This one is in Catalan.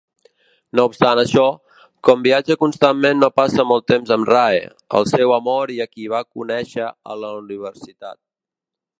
No obstant això, com viatja constantment no passa molt temps amb Rae, el seu amor i a qui va conèixer a la universitat.